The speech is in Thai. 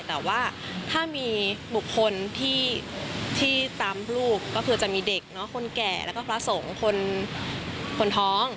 แต่ว่าถ้ามีบุคคลที่ตามลูกก็คือจะมีเด็กคนแก่แล้วก็พระสงฆ์คนท้อง